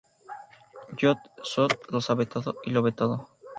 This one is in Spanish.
Yog-Sothoth lo sabe todo y lo ve todo.